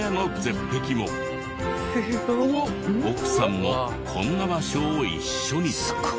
奥さんもこんな場所を一緒に。